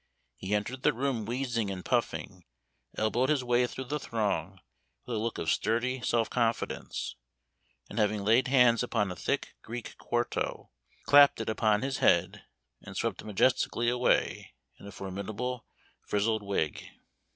He entered the room wheezing and puffing, elbowed his way through the throng with a look of sturdy self confidence, and, having laid hands upon a thick Greek quarto, clapped it upon his head, and swept majestically away in a formidable frizzled wig.